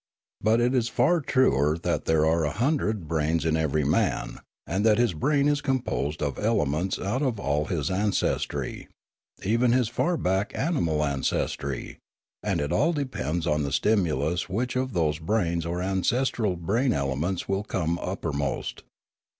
But it is far truer that there are a hundred brains in every man, and that his brain is composed of elements out of all his ancestry, even his far back animal ancestry; and it all depends on the stimulus which of those brains or ancestral brain elements will come uppermost.